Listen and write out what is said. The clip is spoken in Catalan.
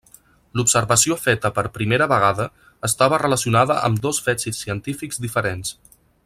L'observació feta per primera vegada estava relacionada amb dos fets científics diferents.